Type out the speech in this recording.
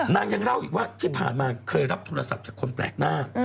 นางยังเล่าอีกว่าที่ผ่านมาเคยรับโทรศัพท์จากคนแปลกหน้า